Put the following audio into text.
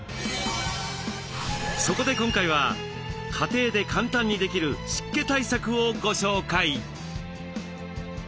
そこで今回は家庭で簡単にできる湿気対策をご紹介。